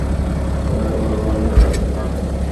ওহে ভগবান কারুপ্পান!